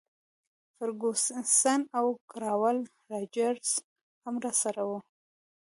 فرګوسن او کراول راجرز هم راسره وو.